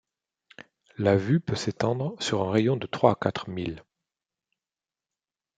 La vue put s’étendre sur un rayon de trois à quatre milles...